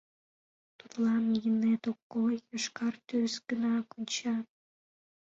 Тудлан еҥет ок кой, йошкар тӱс гына конча.